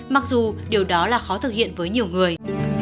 mặc dù điều đó là khó thực hiện với nhiều người